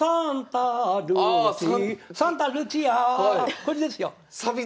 これですよ。